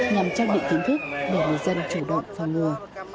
nhằm trang bị kiến thức để người dân chủ động phòng ngừa